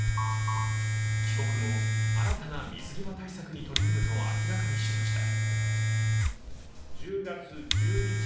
帰国後、新たな水際対策に取り組むと明らかにしました。